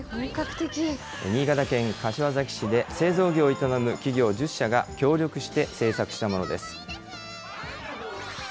新潟県柏崎市で製造業を営む企業１０社が協力して制作したものです。